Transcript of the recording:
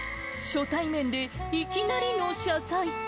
初対面で、いきなりの謝罪。